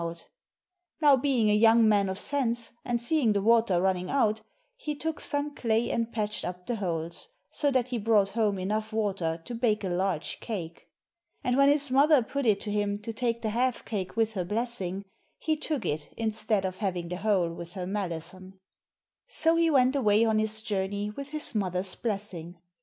320 ENGLISH FAIRY TALES Now being a young man of sense, and seeing the water run ning out, he took some clay and patched up the holes, so that he brought home enough water to bake a large cake. And when his mother put it to him to take the half cake with her blessing, he took it instead of having the whole with her malison. So he went away on his journey with his mother's blessing.